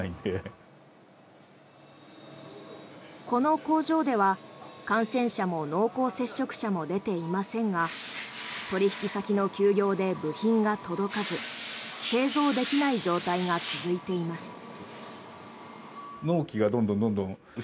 この工場では感染者も濃厚接触者も出ていませんが取引先の休業で部品が届かず製造できない状況が続いています。